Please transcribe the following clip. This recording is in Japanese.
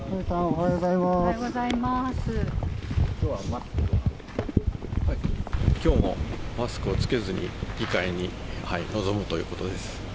はい、きょうもマスクを着けずに、議会に臨むということです。